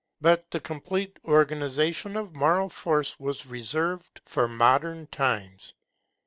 But the complete organization of moral force was reserved for modern times.